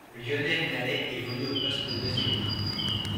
Lionel Nallet évolue au poste de deuxième ligne.